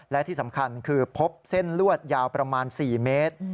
และที่สำคัญคือพบเส้นลวดยาวประมาณ๔เมตร